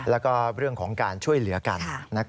แล้วก็เรื่องของการช่วยเหลือกัน